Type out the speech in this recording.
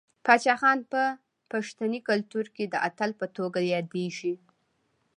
باچا خان په پښتني کلتور کې د اتل په توګه یادیږي.